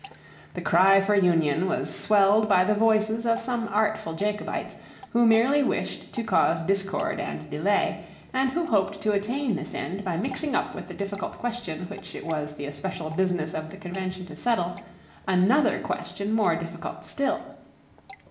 The cry for union was swelled by the voices of some artful Jacobites, who merely wished to cause discord and delay, and who hoped to attain this end by mixing up with the difficult question which it was the especial business of the Convention to settle another question more difficult still.